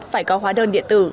phải có hóa đơn điện tử